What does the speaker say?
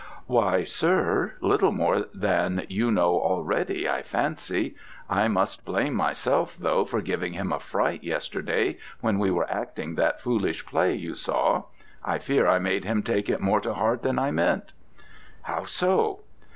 "Why, sir, little more than you know already, I fancy. I must blame myself, though, for giving him a fright yesterday when we were acting that foolish play you saw. I fear I made him take it more to heart than I meant." "How so?"